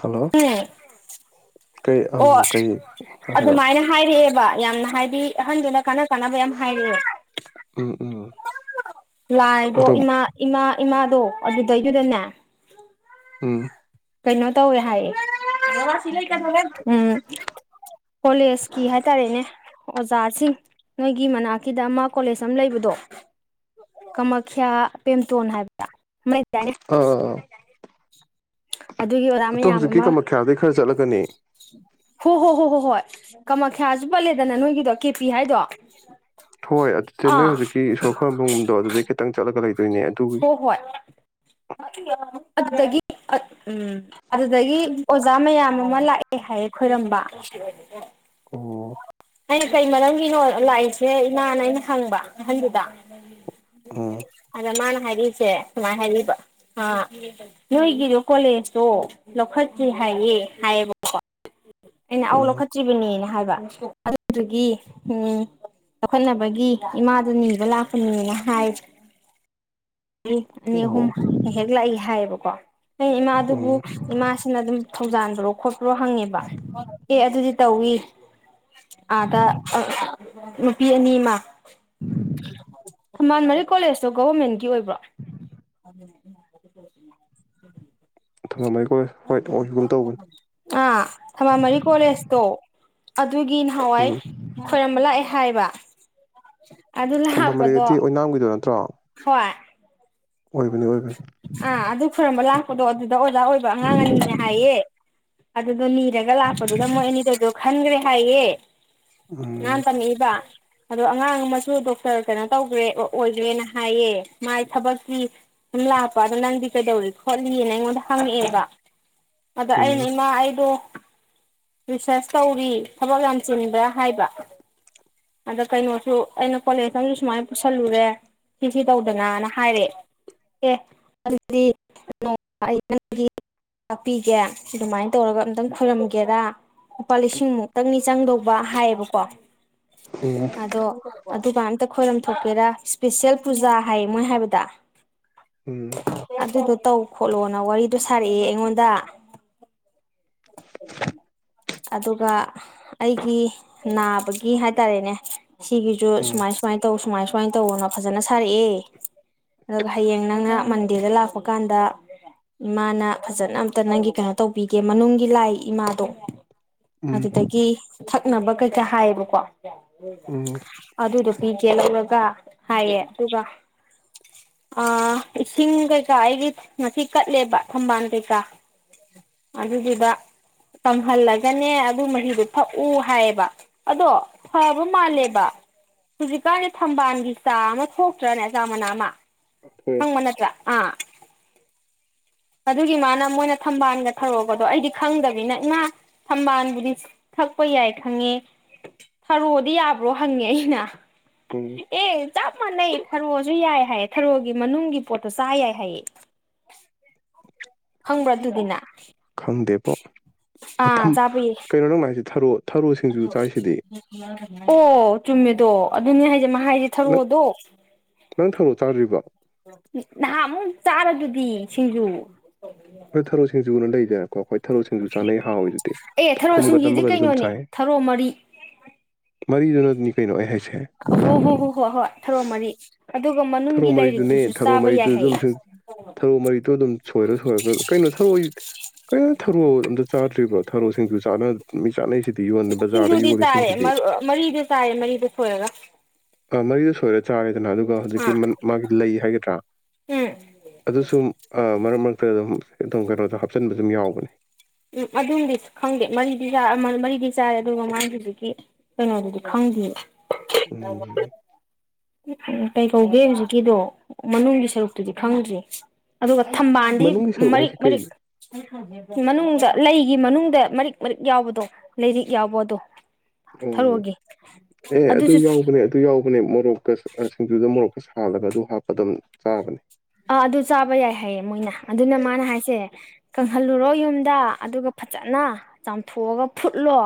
hello ꯎꯝ ꯀꯩ ꯑꯣ ꯑꯝ ꯀꯩ ꯍꯥꯏꯔꯛꯑꯣ ꯑꯗꯨꯃꯥꯏꯅ ꯍꯥꯏꯔꯛꯑꯦꯕ ꯌꯥꯝꯅ ꯍꯥꯏꯗꯤ ꯑꯍꯟꯗꯨꯅ ꯀꯥꯟꯅ ꯀꯥꯟꯅꯕ ꯌꯥꯝ ꯍꯥꯏꯔꯦ ꯎꯝ ꯎꯝ ꯂꯥꯏꯗꯣ ꯑꯗꯨꯝ ꯏꯃꯥ ꯏꯃꯥ ꯏꯃꯥꯗꯣ ꯑꯗꯨꯗꯩꯗꯨꯗꯅꯦ ꯎꯝ ꯀꯩꯅꯣ ꯇꯧꯋꯦ ꯍꯥꯏꯌꯦ ꯎꯝ ꯀꯣꯂꯦꯖꯀꯤ ꯍꯥꯏꯇꯥꯔꯦꯅꯦ ꯑꯣꯖꯥꯁꯤꯡ ꯅꯣꯏꯒꯤ ꯃꯅꯥꯛꯀꯤꯗ ꯑꯃ ꯀꯣꯂꯦꯖ ꯑꯃ ꯂꯩꯕꯗꯣ ꯀꯃꯈ꯭ꯌꯥ ꯄꯦꯝꯇꯣꯟ ꯍꯥꯏꯕ꯭ꯌ ꯑꯃ ꯂꯩꯗꯥꯏꯅꯦ ꯑꯥ ꯑꯥ ꯑꯗꯨꯒꯤ ꯑꯣꯖꯥ ꯑꯇꯣ ꯃꯌꯥꯝ ꯍꯧꯖꯤꯛꯀꯤ ꯑꯃ ꯀꯃꯈ꯭ꯌꯥꯗꯒꯤ ꯈꯔ ꯆꯠꯂꯒꯅꯤ ꯍꯣ ꯍꯣ ꯍꯣ ꯍꯣ ꯍꯣꯏ ꯀꯥꯃꯈ꯭ꯌꯥꯁꯨ ꯄꯜꯂꯦꯗꯅ ꯅꯣꯏꯒꯤꯗꯣ ꯀꯦꯄꯤ ꯍꯥꯏꯗꯣ ꯍꯣꯏ ꯑꯗꯨꯗꯤ ꯅꯣꯏ ꯑꯥ ꯍꯧꯖꯤꯛꯀꯤ ꯏꯁꯣꯔ ꯈꯔꯝꯕꯒꯨꯝꯗꯣ ꯑꯗꯨꯗꯩ ꯈꯤꯇꯪ ꯆꯠꯂꯒ ꯂꯩꯕ ꯍꯣ ꯍꯣꯏ ꯑꯗꯨꯗꯒꯤ ꯎꯝ ꯑꯗꯨꯗꯒꯤ ꯑꯣꯖꯥ ꯃꯌꯥꯝ ꯑꯃ ꯂꯥꯛꯑꯦ ꯍꯥꯏꯌꯦ ꯈꯣꯏꯔꯝꯕ ꯑꯣ ꯑꯩꯅ ꯀꯩ ꯃꯔꯝꯒꯤꯅꯣ ꯂꯥꯛꯏꯁꯦ ꯏꯃꯥꯅ ꯑꯩꯅ ꯍꯪꯕ ꯑꯍꯟꯗꯨꯗ ꯎꯝ ꯑꯗ ꯃꯥꯅ ꯍꯥꯏꯔꯤꯁꯦ ꯁꯨꯃꯥꯏꯅ ꯍꯥꯏꯔꯤꯕ ꯑꯥ ꯅꯣꯏꯒꯤꯗ ꯀꯣꯜꯂꯦꯖꯇꯣ ꯂꯧꯈꯠꯇ꯭ꯔꯤ ꯍꯥꯏ ꯍꯥꯏꯌꯦ ꯍꯥꯏꯌꯦꯕ [inaudible] ꯑꯩꯅ ꯑꯧ ꯎꯝ ꯂꯧꯈꯠꯇ꯭ꯔꯤꯕꯅꯦꯅ ꯍꯥꯏꯕ ꯑꯗꯨꯗꯨꯒꯤ ꯎꯝ ꯂꯧꯈꯠꯅꯕꯒꯤ ꯏꯃꯥꯗ ꯅꯤꯕ ꯂꯥꯛꯄꯅꯦꯅ ꯍꯥꯏ ꯑꯅꯤ ꯑꯍꯨꯝ ꯑꯣ ꯍꯦꯛ ꯂꯥꯛꯏ ꯍꯥꯏꯌꯦꯕꯀꯣ ꯑꯩꯅ ꯏꯃꯥꯗꯨꯕꯨ ꯎꯝ ꯏꯃꯥꯁꯤꯅ ꯑꯗꯨꯝ ꯊꯧꯖꯥꯟꯕ꯭ꯔꯣ ꯈꯣꯠꯄ꯭ꯔꯣ ꯍꯪꯉꯦꯕ ꯑꯦ ꯑꯗꯨꯗꯤ ꯇꯧꯋ ꯑꯥꯗ ꯅꯨꯄꯤ ꯑꯅꯤꯃ ꯊꯝꯕꯥꯜ ꯃꯔꯤꯛ ꯀꯣꯜꯂꯦꯁꯇꯣ ꯒꯣꯚꯔꯃꯦꯟꯠꯀꯤ ꯒꯤ ꯑꯣꯏꯕ꯭ꯔꯣ ꯊꯝꯕꯥꯜ ꯃꯔꯤꯛ ꯑꯥ ꯊꯝꯕꯥꯜ ꯃꯔꯤꯛ ꯀꯣꯜꯂꯦꯖ ꯇꯣ ꯑꯗꯨꯒꯤ ꯅꯍꯥꯟꯋꯥꯏ ꯎꯝ ꯈꯣꯏꯔꯝꯕ ꯂꯥꯛꯑꯦ ꯍꯥꯏꯕ ꯑꯗꯨ ꯂꯥꯛꯄꯗꯣ ꯊꯝꯕꯥꯃꯔꯤꯗꯤ ꯑꯣꯏꯅꯥꯝꯒꯤꯗꯣ ꯅꯠꯇ꯭ꯔꯣ ꯍꯣꯏ ꯑꯣꯏꯕꯅꯤ ꯑꯣꯏꯕꯅꯤ ꯑꯥ ꯑꯗꯨ ꯈꯨꯔꯝꯕꯂꯥꯛ ꯗꯣ ꯑꯗꯨꯗ ꯑꯣꯖꯥ ꯑꯣꯏꯕ ꯑꯉꯥꯡ ꯑꯅꯤꯅꯦ ꯍꯥꯏꯌꯦ ꯑꯗꯨꯗꯣ ꯅꯤꯔꯒ ꯂꯥꯛꯄꯗꯨꯗ ꯃꯣꯏ ꯑꯅꯤꯗꯨꯗ ꯈꯟ꯭ꯔꯦ ꯍꯥꯏꯌꯦ ꯎꯝ ꯃꯥꯅ ꯇꯝꯂꯛ ꯏꯕ ꯑꯗꯣ ꯑꯉꯥꯡ ꯑꯃꯁꯨ ꯗꯣꯛꯇꯔ ꯀꯩꯅꯣ ꯇꯧꯒ꯭ꯔꯦ ꯑꯣꯏꯒ꯭ꯔꯦꯅ ꯍꯥꯏꯌꯦ ꯃꯥꯏ ꯊꯕꯛꯀꯤ ꯁꯨꯝ ꯂꯥꯛꯄ ꯑꯗꯣ ꯅꯪꯗꯤ ꯀꯩꯗꯧꯔꯤ ꯈꯣꯠꯂꯤꯅ ꯑꯩꯉꯣꯟꯗ ꯍꯪꯉꯛꯑꯦꯕ ꯑꯗ ꯎꯝ ꯑꯩꯅ ꯏꯃꯥ ꯑꯩꯗꯣ ꯔꯤꯁꯔꯁ ꯇꯧꯔꯤ ꯊꯕꯛ ꯌꯥꯝ ꯆꯤꯟꯕ꯭ꯔꯥ ꯍꯥꯏꯕ ꯑꯗ ꯀꯩꯅꯣꯁꯨ ꯑꯩꯅ ꯀꯣꯂꯦꯖꯇꯁꯨ ꯁꯨꯃꯥꯏꯅ ꯄꯨꯁꯜꯂꯨꯔꯦ ꯁꯤ ꯁꯤ ꯇꯧꯗꯅꯅ ꯍꯥꯏꯔꯦ ꯑꯦ ꯑꯗꯨꯗꯤ ꯑꯩ ꯅꯪꯒꯤ ꯇꯥꯛꯄꯤꯒꯦ ꯁꯤ ꯑꯗꯨꯃꯥꯏꯅ ꯇꯧꯔꯒ ꯑꯝꯇꯪ ꯈꯣꯏꯔꯝꯒꯦꯔ ꯂꯨꯄꯥ ꯂꯤꯁꯤꯡ ꯃꯨꯛꯇꯪꯅꯤ ꯆꯪꯗꯧꯕ ꯍꯥꯏꯌꯦꯕꯀꯣ ꯎꯝ ꯑꯗꯣ ꯗꯨ ꯑꯝꯇ ꯈꯣꯏꯔꯝ ꯊꯣꯛꯀꯦꯔꯥ ꯏꯁꯄꯤꯁꯦꯜ ꯄꯨꯖꯥ ꯍꯥꯏꯌꯦ ꯃꯣꯏ ꯍꯥꯏꯕꯗ ꯑꯗꯨꯗꯣ ꯇꯧ ꯈꯣꯠꯂꯣꯅ ꯋꯥꯔꯤꯗꯣ ꯁꯥꯔꯛꯑꯦ ꯑꯩꯉꯣꯟꯗ ꯑꯗꯨꯒ ꯑꯩꯒꯤ ꯅꯥꯕꯒꯤ ꯍꯥꯏꯇꯥꯔꯦꯅꯦ ꯁꯤꯒꯤꯁꯨ ꯎꯝ ꯎꯝ ꯁꯨꯃꯥꯏ ꯁꯨꯃꯥꯏꯅ ꯇꯧ ꯁꯨꯃꯥꯏ ꯁꯨꯃꯥꯏꯅ ꯇꯧꯅ ꯐꯖꯅ ꯁꯥꯔꯛꯑꯦ ꯑꯗꯨꯒ ꯍꯌꯦꯡ ꯅꯪꯅ ꯃꯟꯗꯦꯗ ꯂꯥꯛꯄ ꯀꯥꯟꯗ ꯏꯃꯥꯅ ꯐꯖꯅ ꯑꯝꯇ ꯅꯪꯒꯤ ꯀꯩꯅꯣ ꯇꯧꯕꯤꯒꯦ ꯃꯅꯨꯡꯒꯤ ꯂꯥꯏ ꯏꯃꯥꯗꯣ ꯎꯝ ꯑꯗꯨꯗꯒꯤ ꯊꯛꯅꯕ ꯀꯩꯀꯥ ꯍꯥꯏꯌꯦꯕꯀꯣ ꯎꯝ ꯑꯗꯨꯒꯤ ꯆꯦ ꯂꯧꯔꯒ ꯍꯥꯏꯌꯦ ꯑꯗꯨꯒ ꯑꯥ ꯏꯁꯤꯡ ꯀꯩꯀꯥ ꯑꯩꯒꯤ ꯉꯁꯤ ꯀꯠꯂꯦꯕ ꯊꯝꯕꯥꯜ ꯀꯩꯀꯥ [inaudible] ꯑꯗꯨꯒꯤꯗ ꯀꯪꯍꯜꯂꯒꯅꯦ ꯑꯗꯨ ꯃꯍꯤꯗꯨ ꯊꯛꯎ ꯍꯥꯏꯌꯦꯕ ꯑꯗꯣ ꯐꯕ ꯃꯥꯜꯂꯦꯕ ꯍꯧꯖꯤꯛꯀꯥꯟꯒꯤ ꯊꯝꯕꯥꯜꯒꯤ ꯆꯥ ꯑꯃ ꯊꯣꯛꯇ꯭ꯔꯅꯦ ꯑꯆꯥ ꯃꯅꯥ ꯑꯃ ꯍꯣꯏ ꯈꯪꯕ ꯅꯠꯇ꯭ꯔꯥ ꯑꯥ ꯑꯗꯨꯒꯤ ꯃꯥꯅ ꯃꯣꯏꯅ ꯊꯝꯕꯥꯜꯒ ꯊꯔꯣꯒꯗꯣ ꯑꯩꯗꯤ ꯈꯪꯗꯕꯅꯤꯅ ꯏꯃꯥ ꯁꯝꯕꯥꯜꯕꯨꯗꯤ ꯊꯛꯄ ꯌꯥꯏ ꯈꯪꯉꯦ ꯊꯔꯣꯑꯣꯗꯤ ꯌꯥꯕ꯭ꯔꯣ ꯍꯪꯉꯦ ꯑꯩꯅ ꯎꯝ ꯑꯦ ꯆꯞ ꯃꯥꯟꯅꯩ ꯊꯔꯣꯁꯨ ꯌꯥꯏ ꯍꯥꯏꯌꯦ ꯊꯔꯣ ꯒꯤ ꯃꯅꯨꯡꯒꯤ ꯄꯣꯠꯇꯣ ꯆꯥ ꯌꯥꯏ ꯍꯥꯏꯌꯦ ꯈꯪꯕ꯭ꯔꯥ ꯑꯗꯨꯗꯤꯅ ꯉꯪꯗꯦꯄꯣ ꯑꯥ ꯆꯥꯕꯒꯤ ꯊꯔꯣ ꯁꯤꯡꯖꯨ ꯆꯥꯏꯁꯤꯗꯤ ꯑꯣ ꯆꯨꯝꯃꯦ ꯇꯣ ꯑꯗꯨꯅꯦ ꯍꯥꯏꯖꯦ ꯂꯥꯏꯒꯤ ꯅꯪ ꯊꯥꯔꯣꯗꯣ ꯅꯪ ꯊꯔꯣ ꯆꯥꯗ꯭ꯔꯤꯕꯣ ꯅꯍꯥꯟꯃꯨꯛ ꯃ ꯆꯥ ꯄꯤ ꯁꯤꯖꯨ ꯑꯈꯣꯏ ꯊꯔꯣ ꯁꯤꯡꯖꯨꯅ ꯂꯩꯗꯅꯀꯣ ꯑꯈꯣꯏ ꯊꯩꯔꯣꯁꯤꯡꯖꯨ ꯆꯥꯅꯩ ꯍꯥꯎꯏꯗꯨꯗꯤ ꯑꯦ ꯊꯔꯣ ꯊꯨꯝꯒ ꯁꯤꯡꯖꯨꯗꯤ ꯅꯝꯃꯒꯁꯨ ꯑꯗꯨꯝ ꯀꯩꯅꯣꯅꯦ ꯆꯥꯏ ꯊꯔꯣ ꯃꯔꯤ ꯃꯔꯤꯗꯨ [unintelligible] ꯀꯩꯅꯣ ꯑꯩ ꯍꯥꯏꯁꯦ ꯍꯣ ꯍꯣ ꯍꯣ ꯍꯣꯏ ꯍꯣꯏ ꯍꯣꯏ ꯊꯥꯔꯣ ꯃꯔꯤ ꯑꯗꯨꯒ ꯊꯔꯣ ꯃꯅꯨꯡꯒꯤ ꯃꯔꯤꯗꯨꯅꯦ ꯂꯥꯏꯔꯤꯛꯇꯨꯁꯨ ꯊꯔꯣ ꯆꯥꯕ ꯌꯥꯏ ꯃꯔꯤꯗꯨ ꯗ ꯗꯨꯝ ꯍꯥꯏꯌꯦ ꯊꯔꯣ ꯃꯔꯤꯗꯣ ꯑꯗꯨꯝ ꯁꯣꯏꯔ ꯁꯣꯏꯔꯒ ꯀꯩꯅꯣ ꯊꯔꯣꯏ ꯀꯩꯅꯣ ꯊꯔꯣ ꯑꯝꯇ ꯆꯥꯗ꯭ꯔꯤꯕ ꯊꯔꯣꯁꯤꯡꯖꯨ ꯆꯥꯅ ꯃꯤ ꯆꯥꯅꯩ ꯁꯤꯡꯖꯨꯗꯤ ꯆꯥꯔꯦ ꯃꯔꯤꯗꯨ ꯆꯥꯔꯦ ꯃꯔꯤꯗꯨ ꯁꯣꯏꯔꯒ ꯑꯥꯥꯥ ꯃꯔꯤꯗꯨ ꯁꯣꯏꯔ ꯆꯥꯔꯦꯗꯅ ꯑꯗꯨꯒ ꯍꯧꯖꯤꯛꯀꯤ ꯑꯥ ꯃꯥꯒꯤ ꯂꯩ ꯍꯥꯏꯒꯗ꯭ꯔꯥ ꯎꯝ ꯑꯗꯨꯁꯨ ꯑꯥ ꯃꯔꯛ ꯃꯔꯛꯇ ꯑꯗꯨꯝ ꯑꯗꯨꯝ ꯀꯩꯅꯣꯗ ꯍꯥꯞꯆꯤꯟꯕ ꯑꯗꯨꯝ ꯌꯥꯎꯕꯅꯤ ꯎꯝ ꯑꯗꯨꯝꯗꯤ ꯈꯪꯗꯦ ꯃꯔꯤꯗꯤ ꯆꯥ ꯃꯔꯤꯗꯤ ꯆꯥꯏꯔꯦ ꯑꯗꯨꯒ ꯃꯥꯒꯤ ꯍꯧꯖꯤꯛꯀꯤ ꯀꯩꯅꯣꯗꯨꯗꯤ ꯈꯪ ꯗ꯭ꯔꯤ ꯎꯅꯤꯡꯉꯦꯍꯦ ꯎꯝ ꯀꯩꯀꯧꯒꯦ ꯍꯧꯖꯤꯛꯀꯤꯗꯣ ꯃꯅꯨꯡꯒꯤ ꯁꯔꯨꯛꯇꯨꯗꯤ ꯈꯪꯗ꯭ꯔꯦ ꯑꯗꯨꯒ ꯊꯝꯕꯥꯜꯗꯤ ꯃꯅꯨꯡꯒꯤ ꯁꯔꯨꯛ ꯃꯔꯤꯛ ꯍꯥꯏꯁꯦ ꯃꯔꯤꯛ ꯀꯩꯅꯣ ꯃꯅꯨꯡ ꯂꯩꯒꯤ ꯃꯅꯨꯡꯗ ꯃꯔꯤꯛ ꯃꯔꯤꯛ ꯌꯥꯎꯕꯗꯣ ꯂꯩꯔꯤꯛ ꯌꯥꯎꯕ ꯑꯗꯣ ꯑꯣ ꯑꯦ ꯑꯗꯨ ꯑꯗꯨꯁꯨ ꯌꯥꯎꯕꯅꯦ ꯑꯗꯨ ꯌꯥꯎꯕꯅꯦ ꯃꯣꯔꯣꯛꯀꯇꯁꯨ ꯁꯤꯡꯖꯨꯗ ꯃꯣꯔꯣꯛꯀ ꯇ ꯁꯥ ꯍꯥꯜꯂꯒ ꯑꯗꯨ ꯍꯥꯞꯄ ꯗꯨꯝ ꯆꯥꯕꯅꯦ ꯑꯥ ꯑꯗꯨ ꯆꯥꯕ ꯌꯥꯏ ꯍꯥꯏꯌꯦ ꯃꯣꯏꯅ ꯑꯗꯨꯅ ꯃꯥꯅ ꯍꯥꯏꯁꯦ ꯀꯪꯍꯜꯂꯨꯔꯣ ꯌꯨꯝꯗ ꯑꯗꯨꯒ ꯐꯖꯅ ꯆꯥꯝꯊꯣꯛꯑꯒ ꯐꯨꯠꯂꯣ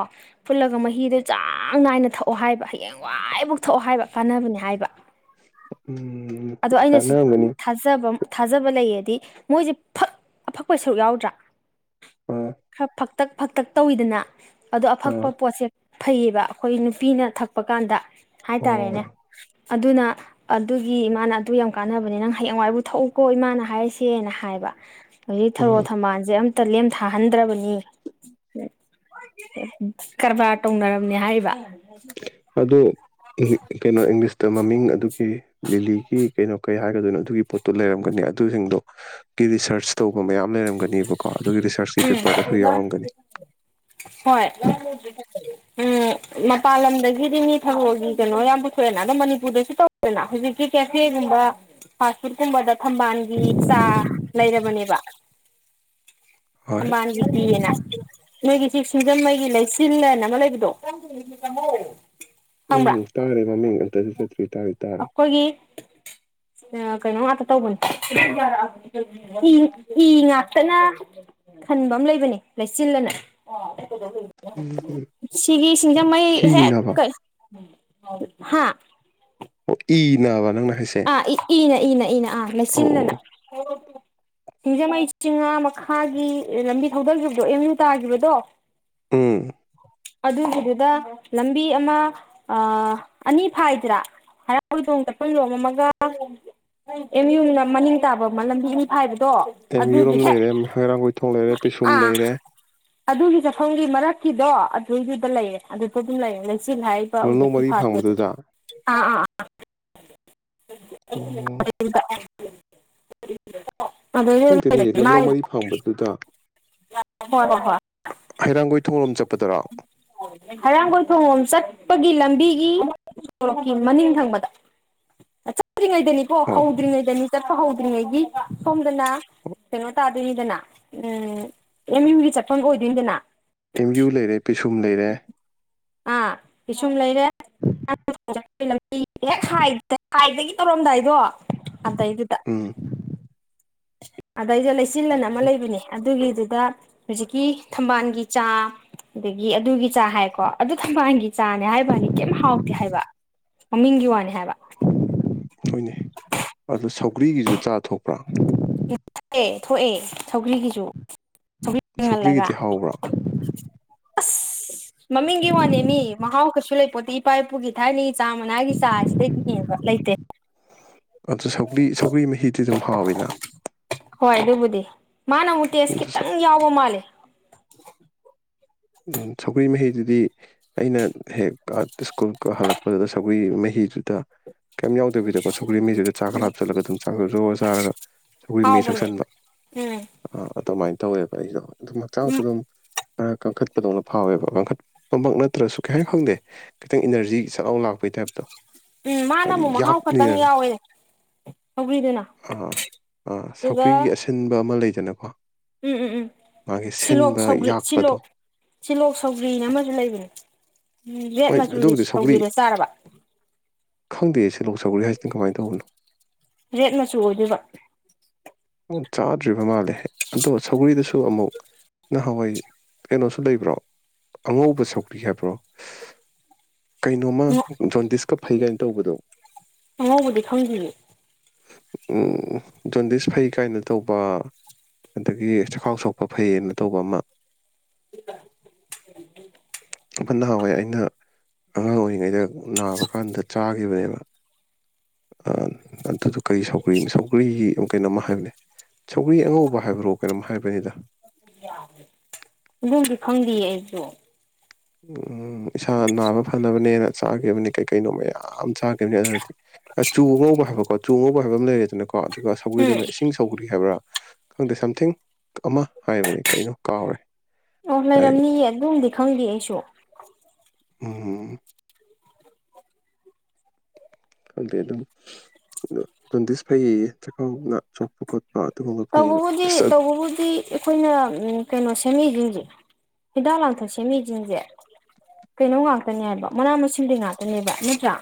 ꯐꯨꯠꯂꯒ ꯃꯍꯤꯗ ꯆꯥꯡ ꯅꯥꯏꯅ ꯊꯛꯑꯣ ꯍꯥꯏꯕ ꯍꯌꯦꯡꯋꯥꯏꯐꯥꯎ ꯊꯛꯑꯣ ꯍꯥꯏꯕ ꯀꯥꯟꯅꯕꯅꯦ ꯍꯥꯏꯕ ꯎꯝ ꯑꯗꯣ ꯑꯩꯅꯁꯨ ꯀꯥꯟꯅꯔꯝꯒꯅꯤ ꯊꯥꯖꯕꯝ ꯊꯥꯖꯕ ꯂꯩꯌꯦꯗꯤ ꯃꯣꯏꯁꯦ ꯐꯛ ꯑꯐꯛꯄ ꯁꯔꯨꯛ ꯌꯥꯎꯗ꯭ꯔꯥ ꯑꯥ ꯈꯔ ꯐꯛꯇꯛ ꯐꯛꯇꯛ ꯇꯧꯏꯤꯗꯅ ꯑꯗꯣ ꯑꯥ ꯑꯐꯛꯄ ꯄꯣꯠꯁꯦ ꯐꯩꯌꯦꯕ ꯑꯩꯈꯣꯏ ꯅꯨꯄꯤꯅ ꯊꯛꯄ ꯀꯥꯟꯗ ꯑꯣ ꯍꯥꯏꯇꯥꯔꯦꯅꯦ ꯑꯗꯨꯅ ꯑꯗꯨꯒꯤ ꯃꯥꯅ ꯑꯗꯨ ꯌꯥꯝ ꯀꯥꯟꯅꯕꯅꯦ ꯅꯪ ꯍꯌꯦꯡꯋꯥꯏꯕꯨ ꯊꯛꯎꯀꯣ ꯏꯃꯥꯅ ꯍꯥꯏꯔꯤꯁꯦꯅ ꯍꯥꯑꯦꯏꯕ ꯈꯣꯏ ꯊꯔꯣ ꯑꯥ ꯊꯝꯕꯥꯜꯁꯦ ꯑꯝꯇ ꯂꯦꯝꯊꯥꯍꯟꯗ꯭ꯔꯕꯅꯤ ꯀꯔꯕꯥꯔ ꯇꯧꯅꯔꯕꯅꯦ ꯍꯥꯔꯤꯕ ꯑꯗꯣ ꯀꯩꯅꯣ ꯏꯪꯂꯤꯁꯇ ꯃꯃꯤꯡ ꯑꯗꯨꯒꯤ ꯂꯤꯂꯤꯒꯤ ꯀꯩꯅꯣ ꯀꯩ ꯍꯥꯏꯒꯗꯣꯏꯅꯣ ꯑꯗꯨꯒꯤ ꯄꯣꯠꯇꯣ ꯂꯩꯔꯝꯒꯅꯤ ꯑꯗꯨꯁꯤꯡꯗꯣ ꯒꯤ ꯔꯤꯁꯔꯁ ꯇꯧꯕ ꯃꯌꯥꯝ ꯂꯩꯔꯝꯒꯅꯤꯕꯀꯣ ꯑꯗꯨꯒꯤ ꯔꯤꯁꯔꯁꯀꯤ ꯎꯝ ꯄꯦꯄꯔꯗꯁꯨ ꯌꯥꯎꯔꯝꯒꯅꯤ ꯍꯣꯏ ꯎꯝ ꯃꯄꯥꯟ ꯂꯝꯗꯒꯤꯗꯤ ꯃꯤ ꯊꯔꯣꯒꯤ ꯀꯩꯅꯣ ꯌꯥꯝ ꯄꯨꯊꯣꯛꯑꯦꯅ ꯑꯗꯣ ꯃꯅꯤꯄꯨꯔꯗꯁꯨ ꯇꯧꯋꯦꯅ ꯍꯧꯖꯤꯛꯀꯤ ꯀꯦꯐꯦ ꯀꯨꯝꯕ ꯐꯥꯁ ꯐꯨꯗ ꯀꯨꯝꯕꯗ ꯊꯝꯕꯥꯜꯒꯤ ꯆꯥ ꯂꯩꯔꯕꯅꯦꯕ [inaudible] ꯊꯝꯕꯥꯟꯒꯤ ꯄꯤꯌꯦꯅ ꯅꯣꯏꯒꯤ ꯁꯤ ꯁꯤꯡꯖꯃꯩꯒꯤ ꯂꯩꯆꯤꯜꯂ ꯑꯥꯏꯅ ꯑꯃ ꯂꯩꯕꯗꯣ ꯑꯝ ꯈꯪꯕ꯭ꯔꯥ ꯇꯒ꯭ꯔꯦ ꯃꯃꯤꯡ ꯑꯝꯇꯗꯤꯆꯠꯇ꯭ꯔꯤ ꯇꯗꯤ ꯇꯔꯦ ꯑꯥ ꯀꯩꯅꯣ ꯉꯛꯇ ꯇꯧꯕꯅꯦ ꯏ ꯉꯛꯇꯅ ꯈꯟꯕ ꯑꯃ ꯂꯩꯕꯅꯦ ꯂꯩꯆꯤꯜꯂꯅ ꯎꯝ ꯁꯤꯒꯤ ꯁꯤꯡꯖꯃꯩ ꯍꯤ ꯍꯦꯛ ꯅꯥꯕ ꯀꯩ ꯍꯥ ꯑꯣ ꯏ ꯅꯥꯕ ꯅꯪꯅ ꯍꯥꯏꯁꯦ ꯑꯥ ꯏ ꯏꯅ ꯏꯅ ꯑꯥ ꯑꯣ ꯑꯣ ꯂꯩꯆꯤꯟꯅ ꯑꯣ ꯁꯤꯡꯖꯃꯩ ꯆꯤꯡꯉꯥ ꯃꯈꯥꯒꯤ ꯂꯝꯕꯤ ꯊꯧꯗꯈꯤꯕꯗꯣ ꯑꯦꯝ ꯌꯨ ꯇꯥꯒꯤꯈꯤꯕꯗꯣ ꯎꯝ ꯑꯗꯨꯒꯤꯗꯨꯗ ꯂꯝꯕꯤ ꯑꯃ ꯑꯅꯤ ꯐꯥꯏꯗ꯭ꯔꯥ ꯍꯩꯔꯥꯡꯒꯣꯏ ꯆꯠꯐꯝ ꯑꯃꯒ ꯑꯦꯝ ꯌꯨ ꯒꯤ ꯃꯅꯤꯡ ꯇꯕ ꯂꯝꯕꯤ ꯑꯅꯤ ꯐꯥꯏ ꯇꯣ ꯑꯦꯝ ꯑꯗꯨꯗꯤ ꯌꯨꯔꯣꯝ ꯍꯦꯛ ꯂꯩꯔꯦ ꯍꯩꯔꯥꯡꯒꯣꯏꯊꯣꯡ ꯂꯩꯔꯦ ꯄꯤꯁꯨꯝ ꯑꯥ ꯂꯩꯔꯦ ꯑꯗꯨꯒꯤ ꯆꯥꯐꯝꯒꯤ ꯃꯔꯛꯀꯤꯗꯣ ꯑꯗꯨꯏꯗꯨꯗ ꯂꯩꯔꯦ ꯑꯗꯨꯁꯨ ꯑꯗꯨꯝ ꯂꯩꯔꯦ ꯂꯩ ꯁꯤꯜ ꯍꯥꯏꯕ ꯂꯝꯂꯧ ꯍꯧꯖꯤꯛꯀꯤ ꯃꯔꯤ ꯐꯥꯛꯄꯁꯦ ꯐꯥꯡꯕꯗꯨꯗ ꯑꯥ ꯑꯥ ꯑꯥꯥ ꯑꯣ [unintelligible] [unintelligible] ꯍꯣꯏ ꯍꯩꯔꯥꯡꯒꯣꯏ ꯊꯣꯡꯂꯣꯝ ꯆꯠꯄ ꯍꯔꯥꯡ ꯀꯣꯏ ꯊꯣꯡꯂꯣꯝ ꯆꯠ ꯆꯄꯒꯤ ꯂꯝꯕꯤꯒꯤ ꯁꯣꯔꯣꯛꯀꯤ ꯃꯅꯤꯡ ꯊꯪꯕꯗ ꯆꯠꯇ꯭ꯔꯤꯉꯩꯗꯅꯤ ꯀꯣ ꯑꯣ ꯍꯧꯗ꯭ꯔꯤꯉꯩꯗꯅꯤ ꯆꯠꯄ ꯍꯧꯗ꯭ꯔꯤꯉꯩꯒꯤ ꯁꯣꯝꯗꯅ ꯀꯩꯅꯣ ꯇꯥꯗꯣꯏꯅꯤꯗꯅ ꯎꯝ ꯑꯦꯝ ꯌꯨꯝꯒꯤ ꯆꯠꯐꯝ ꯑꯣꯏꯗꯣꯏꯅꯤꯗꯅ ꯑꯦꯝ ꯌꯨ ꯂꯩꯔꯦ ꯄꯤꯁꯨꯝ ꯂꯩꯔꯦ ꯑꯥ ꯄꯤꯋꯨꯝ ꯂꯩꯔꯦ ꯍꯦꯛ ꯍꯥꯏꯕꯒꯤ ꯇꯧꯔꯝꯗꯥꯏꯗꯣ ꯑꯗꯩꯗꯨꯗ ꯎꯝ ꯑꯗꯩꯗ ꯂꯩꯆꯤꯜꯂꯅ ꯑꯃ ꯂꯩꯕꯅꯦ ꯑꯗꯨꯒꯤ ꯑꯗꯨꯗ ꯍꯧꯖꯤꯛꯀꯤ ꯊꯝꯕꯥꯜꯒꯤ ꯆꯥ ꯑꯗꯨꯗꯒꯤ ꯑꯗꯨꯒꯤ ꯆꯥ ꯍꯥꯏꯀꯣ ꯑꯗꯨ ꯊꯝꯕꯥꯜꯒꯤ ꯆꯥꯅꯦ ꯍꯥꯏꯕ ꯋꯅꯤ ꯀꯩꯝ ꯍꯥꯎꯇꯦ ꯍꯥꯏꯕ ꯃꯃꯤꯡꯒꯤ ꯋꯥꯅꯤ ꯍꯥꯏꯕ ꯍꯣꯏꯅꯦ ꯑꯗꯨ ꯁꯧꯒ꯭ꯔꯤꯒꯤꯖꯨ ꯆꯥ ꯊꯣꯛꯄ꯭ꯔꯥ ꯑꯦ ꯊꯣꯛꯑꯦ ꯁꯧꯒ꯭ꯔꯤꯒꯤꯁꯨ ꯁꯧꯒ꯭ꯔꯤ ꯀꯪꯍꯜꯂꯒ ꯁꯧꯒ꯭ꯔꯤꯒꯤꯗꯤ ꯍꯥꯎꯕ꯭ꯔꯥ ꯑꯁ ꯃꯃꯤꯡꯒꯤ ꯋꯥꯅꯦꯃꯤ ꯃꯍꯥꯎ ꯀꯩꯁꯨ ꯂꯩꯄꯣꯠꯇ ꯏꯄꯥ ꯏꯄꯨꯒꯤ ꯊꯥꯏꯅꯩ ꯆꯥ ꯃꯅꯥꯒꯤ ꯆꯥꯁꯤꯗꯒꯤ ꯍꯦꯟꯕ ꯂꯩꯇꯦ ꯑꯗꯨ ꯁꯧꯒ꯭ꯔꯤ ꯃꯍꯤꯗꯤ ꯑꯗꯨꯝ ꯍꯥꯎꯋꯤꯅ ꯗꯦ ꯃꯥꯅ ꯃꯨꯛ ꯇꯦꯁ ꯑꯗꯨ ꯈꯤꯇꯪ ꯌꯥꯎꯕ ꯃꯥꯜꯂꯦ ꯎꯝ ꯁꯧꯒ꯭ꯔꯤ ꯃꯍꯤꯗꯨꯗꯤ ꯑꯩꯅ ꯍꯦꯛ ꯀ ꯁ꯭ꯀꯨꯜꯀ ꯍꯜꯂꯛꯄꯗ ꯁꯧꯒ꯭ꯔꯤ ꯃꯍꯤ ꯃꯍꯤꯗꯨꯗ ꯀꯩꯝ ꯌꯥꯎꯗꯕꯤꯗꯀꯣ ꯁꯧꯒ꯭ꯔꯤ ꯃꯍꯤꯗꯨꯗ ꯆꯥꯛ ꯈꯔ ꯎꯝ ꯍꯥꯞꯆꯜꯂꯒ ꯑꯗꯨꯝ ꯆꯥꯛ ꯖꯣꯔ ꯆꯥꯔꯒ ꯁꯧꯒ꯭ꯔꯤ ꯃꯤꯍꯤ ꯍꯥꯎꯕꯅꯦ ꯊꯛꯁꯟꯕ ꯎꯝ ꯑꯥ ꯑꯗꯨꯃꯥꯏꯅ ꯇꯧꯋꯦꯕ ꯑꯩꯗꯣ ꯑꯗꯨꯝ ꯍꯛꯆꯥꯡꯁꯨ ꯎꯝ ꯑꯗꯨꯝ ꯈꯔ ꯀꯟꯈꯠ ꯄꯗꯧꯅ ꯐꯥꯎꯋꯦꯕ ꯀꯥꯡꯡꯈꯠ ꯄꯃꯛ ꯅꯠꯇ꯭ꯔꯁꯨ ꯀꯩ ꯍꯥꯏ ꯈꯪꯗꯦ ꯈꯤꯇꯪ ꯏꯅꯔꯖꯤ ꯁꯠꯂꯥꯎ ꯂꯥꯛꯄꯩ ꯇꯥꯏꯞꯇꯣ ꯎꯝ ꯃꯥꯅ ꯍꯥꯏꯗꯤ ꯑꯃꯨꯛ ꯃꯍꯥꯎ ꯈꯛꯇꯪ ꯌꯥꯛꯄꯅꯤꯅꯅꯦ ꯌꯥꯎꯋꯦ ꯁꯧꯒ꯭ꯔꯤꯗꯨꯅ ꯑꯥ ꯑꯥ ꯑꯗꯨꯒ ꯁꯧꯒ꯭ꯔꯤ ꯑꯁꯤꯟꯕ ꯑꯃ ꯂꯩ ꯎꯝ ꯎꯝ ꯎꯝ ꯁꯤꯂꯣꯛ ꯁꯤꯟꯕ ꯁꯧꯒ꯭ꯔꯤ ꯌꯥꯛꯄꯗꯣ ꯁꯤꯂꯣꯛ ꯁꯤꯜꯂꯣꯛ ꯁꯧꯒ꯭ꯔꯤꯅ ꯑꯃꯁꯨ ꯂꯩꯕꯅꯦ ꯎꯝ ꯔꯦꯠ ꯍꯣꯏ ꯃꯆꯨꯗꯤ ꯑꯗꯨꯕꯨꯗꯤ ꯁꯧꯒ꯭ꯔꯤ ꯁꯧꯒ꯭ꯔꯤꯗꯣ ꯆꯥꯔꯕ ꯈꯪꯗꯦ ꯁꯤꯂꯣꯛ ꯁꯧꯒ꯭ꯔꯤ ꯍꯥꯏꯁꯤꯅ ꯀꯃꯥꯏꯅ ꯇꯧꯕꯅꯣ ꯔꯦꯠ ꯃꯆꯨ ꯑꯣꯏꯗꯣꯏꯕ ꯆꯥꯗ꯭ꯔꯤꯕ ꯃꯥꯜꯂꯦ ꯑꯗꯣ ꯁꯧꯒ꯭ꯔꯤꯗꯁꯨ ꯑꯃꯨꯛ ꯅꯍꯥꯟꯋꯥꯏ ꯀꯩꯅꯣꯁꯨ ꯂꯩꯕ꯭ꯔꯣ ꯑꯉꯧꯕ ꯁꯧꯒ꯭ꯔꯤ ꯍꯥꯏꯕ꯭ꯔꯣ ꯀꯩꯅꯣꯃ ꯖꯣꯟꯗꯤꯁꯀ ꯐꯩ ꯀꯥꯏꯅ ꯇꯧꯕꯗꯣ ꯑꯉꯧꯕꯗꯤ ꯈꯪꯗꯤꯌꯦ ꯎꯝ ꯖꯟꯗꯤꯁ ꯐꯩ ꯀꯥꯏꯅ ꯇꯧꯕ ꯑꯗꯒꯤ ꯆꯈꯥꯎ ꯁꯣꯛꯄ ꯐꯩꯌꯦꯅ ꯇꯧꯕ ꯑꯃ [inaudible] ꯐꯟ ꯅꯍꯥꯟꯋꯥꯏ ꯑꯩꯅ ꯑꯉꯥꯡ ꯑꯣꯏꯔꯤꯉꯩꯗ ꯅꯥꯕ ꯀꯥꯟꯗ ꯆꯥꯈꯤꯕꯅꯦꯕ ꯑꯗꯨꯗ ꯀꯔꯤ ꯁꯧꯒ꯭ꯔꯤꯅꯣ ꯁꯧꯒ꯭ꯔꯤ ꯀꯩꯅꯣꯝꯃ ꯍꯥꯏꯕꯅꯦ ꯁꯧꯒ꯭ꯔꯤ ꯑꯉꯧꯕ ꯍꯥꯏꯕ꯭ꯔꯣ ꯀꯩꯅꯣꯝ ꯍꯥꯏꯕꯅꯤꯗ ꯑꯗꯨꯝꯗꯤ ꯈꯪꯗꯤꯌꯦ ꯑꯩꯁꯨ ꯎꯝ ꯏꯁꯥ ꯅꯥꯕ ꯐꯅꯕꯅꯦꯅ ꯆꯥꯈꯤꯕꯅꯤ ꯀꯩ ꯀꯩꯅꯣ ꯃꯌꯥꯝ ꯆꯥꯈꯤꯕꯅꯤ ꯑꯗꯨꯗꯗꯤ ꯆꯨ ꯑꯉꯧꯕ ꯍꯥꯏꯕꯀꯣ ꯆꯨ ꯑꯉꯧꯕ ꯍꯥꯏꯕ ꯑꯃ ꯂꯩꯔꯦꯗꯅꯀꯣ ꯑꯗꯨꯒ ꯎꯝ ꯁꯧꯒ꯭ꯔꯤꯗꯅ ꯏꯁꯤꯡ ꯁꯧꯒ꯭ꯔꯤ ꯍꯥꯏꯕ꯭ꯔꯥ ꯈꯪꯗꯦ ꯁꯝꯊꯤꯡ ꯑꯃ ꯍꯥꯏꯕꯅꯦ ꯀꯩꯅꯣ ꯀꯥꯎꯔꯦ ꯑꯣ ꯗꯥꯏꯔꯦꯛ ꯂꯩꯔꯝꯅꯤꯌꯦ ꯑꯗꯨꯝꯗꯤ ꯈꯪꯗꯦ ꯑꯩꯁꯨ ꯎꯝ ꯈꯪꯗꯦ ꯑꯗꯨꯝ ꯖꯣꯟꯗꯤꯁ ꯐꯩꯌꯦ ꯌꯦ ꯆꯥꯈꯥꯎꯅ ꯁꯣꯛꯄ ꯈꯣꯠꯄ ꯑꯗꯨꯒꯨꯝꯕ ꯐꯩꯌꯦꯅ ꯇꯧꯕꯕꯨꯗꯤ ꯇꯧꯕꯕꯨꯗꯤ ꯑꯩꯈꯣꯏꯅ ꯀꯩꯅꯣꯁꯦ ꯁꯦꯝꯦꯃꯤ ꯁꯤꯡꯁꯦ ꯍꯤꯗꯥꯛ ꯂꯥꯡꯊꯛ ꯁꯦꯝꯃꯤ ꯁꯤꯡꯁꯦ ꯀꯩꯅꯣ ꯉꯥꯛꯇꯅꯦ ꯍꯥꯏꯕ ꯃꯅꯥ ꯃꯁꯤꯡꯗꯤ ꯉꯥꯛꯇꯅꯦꯕ ꯅꯠꯇ꯭ꯔꯥ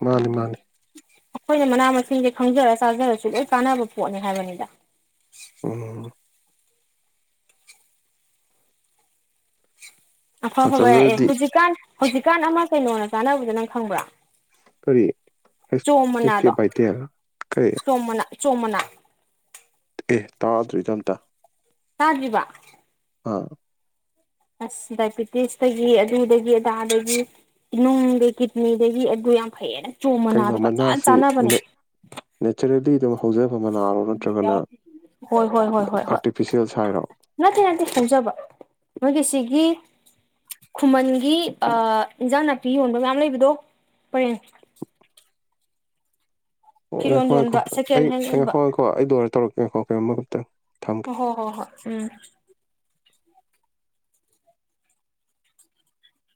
ꯃꯥꯅꯤ ꯃꯥꯅꯤ ꯑꯩꯈꯣꯏꯅ ꯃꯅꯥ ꯃꯁꯤꯡꯁꯦ ꯈꯪꯖꯔ ꯆꯥꯖꯔꯁꯨ ꯂꯣꯏ ꯀꯥꯟꯅꯕ ꯄꯣꯠꯅꯤ ꯍꯥꯏꯕꯅꯤꯗ ꯎꯝ ꯑꯐ ꯑꯐꯕ ꯌꯥꯑꯦ ꯃꯇꯝꯗꯨꯗꯗꯤ ꯍꯧꯖꯤꯛꯀꯥꯟ ꯍꯧꯖꯤꯛꯀꯥꯟ ꯑꯃ ꯀꯩꯅꯣꯅ ꯆꯥꯅꯕꯗ ꯅꯪ ꯈꯪꯕ꯭ꯔꯥ ꯀꯔꯤ ꯆꯣꯝ ꯍꯩꯁ ꯀꯦ ꯃꯅꯥꯗꯣ ꯕꯥꯏꯇꯦꯜ ꯀꯔꯤ ꯆꯣꯝ ꯃꯅꯥ ꯆꯣꯝ ꯃꯅꯥ ꯑꯦ ꯇꯥꯗ꯭ꯔꯤꯗ ꯑꯝꯇ ꯇꯥꯗ꯭ꯔꯤꯕ ꯑꯥ ꯑꯁ ꯗꯥꯏꯕꯤꯇꯤꯁꯇꯒꯤ ꯑꯗꯨꯗꯒꯤ ꯑꯗꯥꯗꯒꯤ ꯅꯨꯡꯗꯩ ꯀꯤꯠꯅꯤꯗꯒꯤ ꯑꯗꯨ ꯌꯥꯝ ꯐꯩꯌꯦꯅ ꯀꯩꯅꯣ ꯆꯣꯛꯃꯅꯥꯗꯣ ꯐꯖ ꯃꯅꯥꯁꯤ ꯆꯥꯅꯕꯅꯦ ꯅꯦꯆꯔꯦꯜꯂꯤ ꯑꯗꯨꯝ ꯍꯧꯖꯕ ꯃꯅꯥꯔꯣ ꯅꯠꯇ꯭ꯔꯒꯅ ꯍꯣꯏ ꯍꯣꯏ ꯍꯣꯏ ꯍ ꯍ ꯑꯥꯔꯇꯤꯐꯤꯁꯦꯜ ꯁꯥꯏꯔꯣ ꯅꯠꯇꯦ ꯅꯠꯇꯦ ꯍꯧꯖꯕ ꯃꯣꯏꯒꯤ ꯁꯤꯒꯤ ꯈꯨꯃꯟꯒꯤ ꯏꯟꯖꯥꯡ ꯅꯥꯄꯤ ꯌꯣꯟꯕ ꯃꯌꯥꯝ ꯂꯩꯕꯗꯣ ꯄꯔꯦꯡ [inaudible] ꯑꯣ ꯐꯤꯔꯣꯟ ꯉꯥꯏꯈꯣ ꯉꯥꯏꯈꯣ ꯌꯣꯟꯕ ꯁꯦꯀꯦꯟ ꯑꯩ ꯍꯦꯟ ꯌꯣꯟꯕ ꯉꯥꯏꯈꯣ ꯉꯥꯏꯈꯥ ꯑꯩ ꯂꯣꯏꯔ ꯇꯧꯔꯛꯀꯦ ꯉꯥꯏꯈꯣ ꯀꯩꯅꯣꯝꯃꯇꯪ ꯊꯝꯒꯦ ꯍꯣꯏ ꯍꯣꯏ ꯍꯣꯏ ꯎꯝ [inaudible]